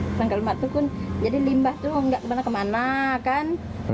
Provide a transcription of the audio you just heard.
perangkap lemak itu jadi limbah itu nggak kemana mana kan